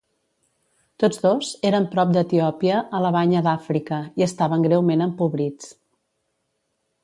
Tots dos eren prop d'Etiòpia a la Banya d'Àfrica i estaven greument empobrits.